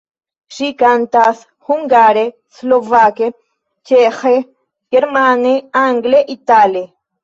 Ŝi kantas hungare, slovake, ĉeĥe, germane, angle, itale.